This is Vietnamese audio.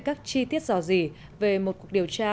các chi tiết rò rỉ về một cuộc điều tra